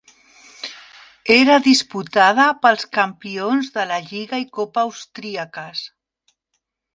Era disputada pels campions de la lliga i copa austríaques.